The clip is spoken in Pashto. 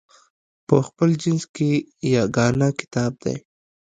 په خپل جنس کې یګانه کتاب دی.